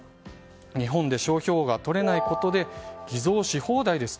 日本で商標が取れないことで偽造し放題ですと。